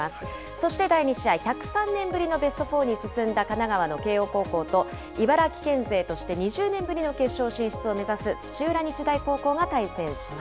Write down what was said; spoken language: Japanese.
そして第２試合、１０３年ぶりのベストフォーに進んだ神奈川の慶応高校と、茨城県勢として２０年ぶりの決勝進出を目指す土浦日大高校が対戦します。